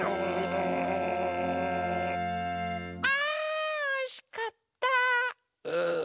あおいしかった！